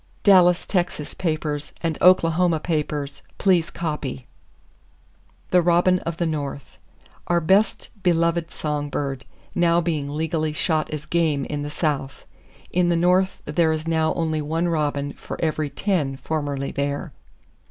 Dallas, Texas, papers and Oklahoma papers, please copy! [Page 107] THE ROBIN OF THE NORTH Our best beloved Song Bird, now being legally shot as "game" in the South. In the North there is now only one robin for every ten formerly there.